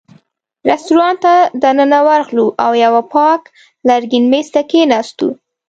رېستورانت ته دننه ورغلو او یوه پاک لرګین مېز ته کېناستو.